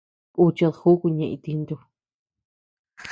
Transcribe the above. Kuchid júku ñeʼe itintu.